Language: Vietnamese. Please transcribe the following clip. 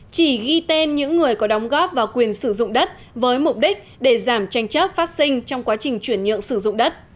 chỉ ghi tên những người có đóng góp vào quyền sử dụng đất với mục đích để giảm tranh chấp phát sinh trong quá trình chuyển nhượng sử dụng đất